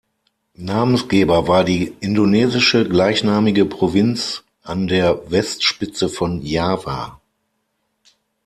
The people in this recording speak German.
Namensgeber war die indonesische gleichnamige Provinz an der Westspitze von Java.